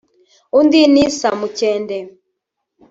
Undi ni Samukende